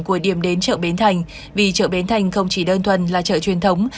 của điểm đến chợ bến thành vì chợ bến thành không chỉ đơn thuần là chợ truyền thống